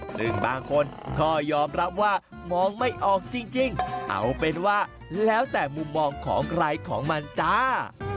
ซึ่งบางคนก็ยอมรับว่ามองไม่ออกจริงเอาเป็นว่าแล้วแต่มุมมองของใครของมันจ้า